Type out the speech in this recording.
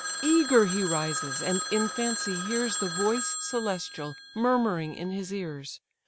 Eager he rises, and in fancy hears The voice celestial murmuring in his ears.